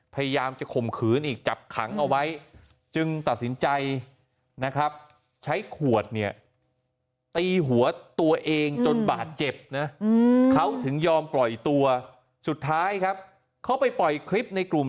พยายามจะข่มขืนอีกจับขังเอาไว้จึงตัดสินใจนะครับใช้ขวดเนี่ยตีหัวตัวเองจนบาดเจ็บนะเขาถึงยอมปล่อยตัวสุดท้ายครับเขาไปปล่อยคลิปในกลุ่ม